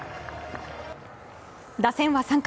打線は３回。